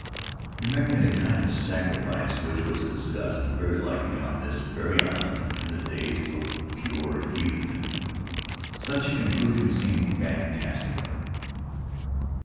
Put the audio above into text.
Remembering the kind of sacrifice which was discussed, very likely on this very island, in the days of pure heathendom, such a conclusion seemed fantastical.